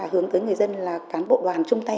hướng tới người dân là cán bộ hoàn trung tay